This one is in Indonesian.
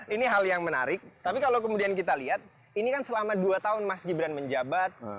ini hal yang menarik tapi kalau kemudian kita lihat ini kan selama dua tahun mas gibran menjabat